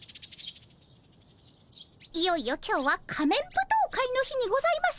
いよいよ今日は仮面舞踏会の日にございます。